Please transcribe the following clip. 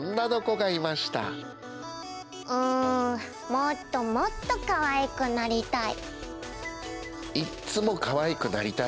もっともっとかわいくなりたい！